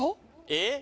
えっ？